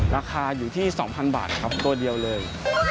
ราคาอยู่ที่๒๐๐บาทครับตัวเดียวเลย